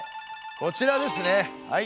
こちらですねはい。